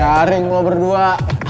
garing lo berdua